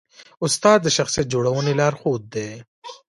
استاد د شخصیت جوړونې لارښود دی.